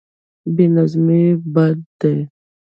بې نظمي بد دی.